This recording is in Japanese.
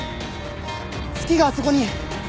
月があそこに！